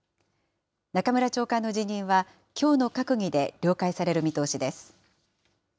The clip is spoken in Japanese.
中村長官の辞任は、きょうの閣議で了解される見通しです。